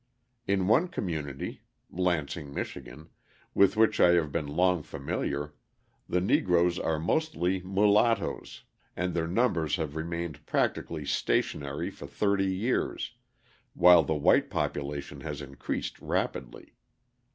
In one community (Lansing, Mich.) with which I have been long familiar, the Negroes are mostly mulattoes and their numbers have remained practically stationary for thirty years, while the white population has increased rapidly.